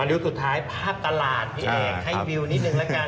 ริ้วสุดท้ายภาพตลาดพี่เอกให้วิวนิดนึงละกัน